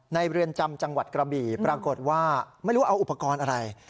เรือนจำจังหวัดกระบี่ปรากฏว่าไม่รู้เอาอุปกรณ์อะไร